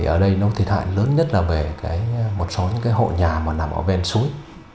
ở đây nó thiệt hại lớn nhất là về một số hộ nhà nằm ở bên suối